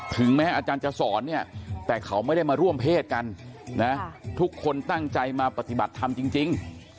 ถึงแม้อาจารย์จะสอนเนี่ยแต่เขาไม่ได้มาร่วมเพศกันนะทุกคนตั้งใจมาปฏิบัติธรรมจริง